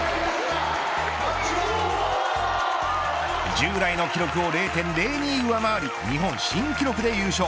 従来の記録を０．０２上回る日本新記録で優勝。